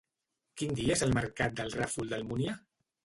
Quin dia és el mercat del Ràfol d'Almúnia?